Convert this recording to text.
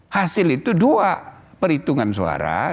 hasil itu dua perhitungan suara